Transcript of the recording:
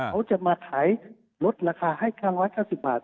เขาจะมาขายลดราคาให้๙๙๐บาท